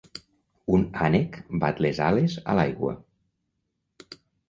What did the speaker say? Un ànec bat les ales a l'aigua.